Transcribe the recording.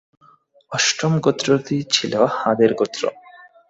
অষ্টম গোত্রটি ছিল হাদ-এর গোত্র।